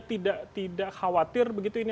tidak khawatir begitu ini